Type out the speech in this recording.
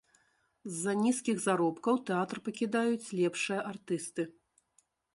З-за нізкіх заробкаў тэатр пакідаюць лепшыя артысты.